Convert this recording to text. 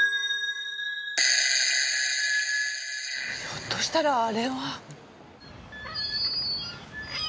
ひょっとしたらあれは。